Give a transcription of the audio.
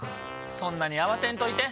そんなに慌てんといて。